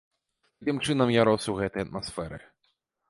Такім чынам, я рос у гэтай атмасферы.